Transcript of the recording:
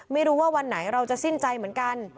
ไม่รู้ว่าวันไหนเราจะสิ้นใจเหมือนกัน